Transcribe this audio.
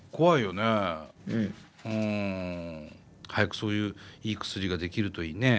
早くそういういい薬が出来るといいね。